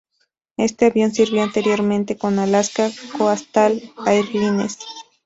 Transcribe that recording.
Este avión sirvió anteriormente con Alaska Coastal Airlines.